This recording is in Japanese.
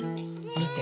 みて。